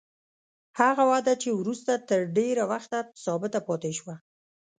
هغه وده چې وروسته تر ډېره وخته ثابته پاتې شوه.